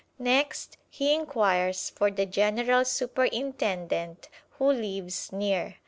Next, he inquires for the General Superintendent who lives near.